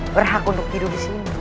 berhak untuk hidup disini